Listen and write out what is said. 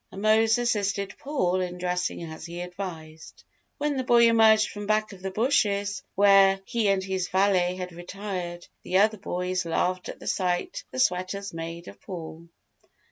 And Mose assisted Paul in dressing as he advised. When the boy emerged from back of the bushes where he and his valet had retired, the other boys laughed at the sight the sweaters made of Paul.